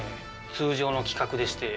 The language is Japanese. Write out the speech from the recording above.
通常の規格でして。